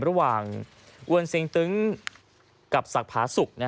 ระหว่างอวนซิงตึ้งกับศักดิ์ผาสุก